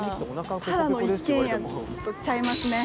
ただの一軒家とちゃいますね。